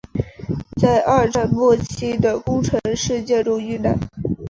在二战末期的宫城事件中遇难。